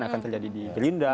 akan terjadi di gelinda